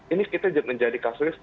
ini kita menjadi kasus